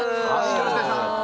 よろしくお願いします